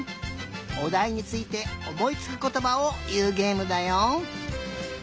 おだいについておもいつくことばをいうげえむだよ。